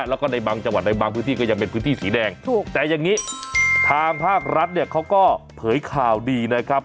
แล้วก็ในบางจังหวัดในบางพื้นที่ก็ยังเป็นพื้นที่สีแดงถูกแต่อย่างนี้ทางภาครัฐเนี่ยเขาก็เผยข่าวดีนะครับ